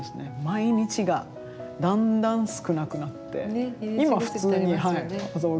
毎日がだんだん少なくなって今普通に朝起きて。